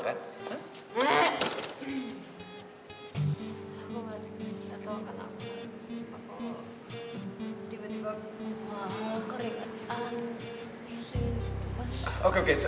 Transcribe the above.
tidak tahu kenapa apa tiba tiba mau keringetan susit kosong